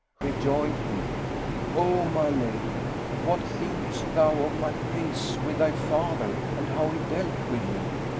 Rejoined he, "O my lady, what thinkest thou of my case with thy father and how he dealt with me?